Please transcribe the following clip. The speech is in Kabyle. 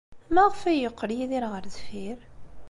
Maɣef ay yeqqel Yidir ɣer deffir?